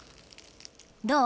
どう？